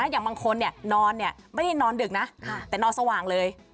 อย่างบางคนนอนไม่ได้นอนดึกนะแต่นอนสว่างเลย